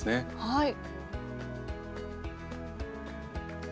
はい。